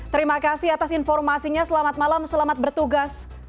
terima kasih atas informasinya selamat malam selamat bertugas